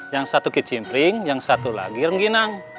yang satu ke jimbering yang satu lagi ranginang